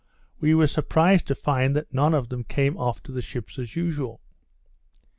We were surprised to find that none of them came off to the ships as usual.